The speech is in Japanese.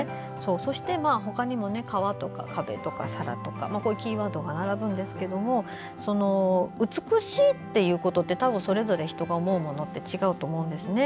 そして、ほかにも「川」とか「壁」とか「皿」とかキーワードが並ぶんですが美しいっていうことって多分、それぞれ人が思うものは違うと思うんですね。